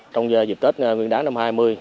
trong dịp tết nguyên đáng năm hai nghìn hai mươi